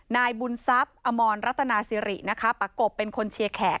นายบุญซับอมรรัตนาซิริปากกบเป็นคนเชียร์แขก